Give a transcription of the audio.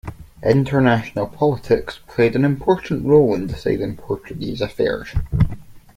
International politics played an important role in deciding Portuguese affairs.